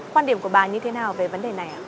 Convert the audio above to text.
quan điểm của bà như thế nào về vấn đề này ạ